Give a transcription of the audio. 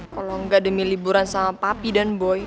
kalau nggak demi liburan sama papi dan boy